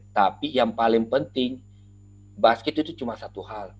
tapi yang paling penting basket itu cuma satu hal